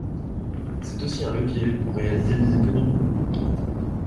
C’est aussi un levier pour réaliser des économies.